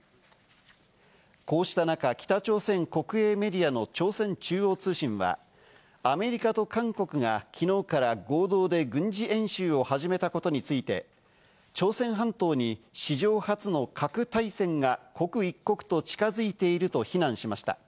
こうした中、北朝鮮国営メディアの朝鮮中央通信はアメリカと韓国がきのうから合同で軍事演習を始めたことについて、朝鮮半島に史上初の核対戦が、刻一刻と近づいていると非難しました。